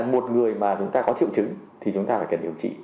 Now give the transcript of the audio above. một người mà chúng ta có triệu chứng thì chúng ta phải cần điều trị